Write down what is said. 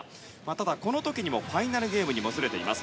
ただこの時にもファイナルゲームにもつれています。